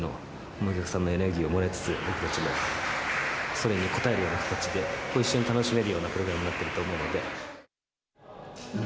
お客さんのエネルギーをもらいつつ、僕たちもそれに応えるような形で、一緒に楽しめるようなプログラム